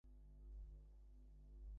ভদ্রলোক গল্পের মাঝখানে একবারও বললেন না।